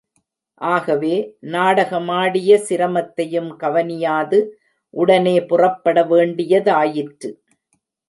ஆகவே, நாடகமாடிய சிரமத்தையும் கவனியாது, உடனே புறப்பட வேண்டியதாயிற்று.